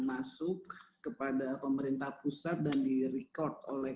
masuk kepada pemerintah pusat dan di record oleh